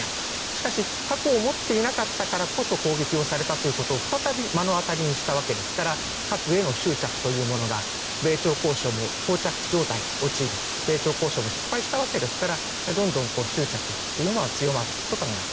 しかし、核を持っていなかったからこそ攻撃をされたということを再び目の当たりにしたわけですから核への執着というものも米朝交渉も失敗したわけですからどんどん執着というのは強まっていると思います。